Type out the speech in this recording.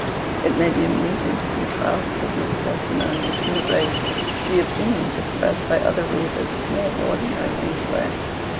It may be amusing to contrast with these testimonies from the great, the opinions expressed by other readers of more ordinary intellect.